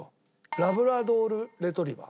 ラブラドール・レトリーバー。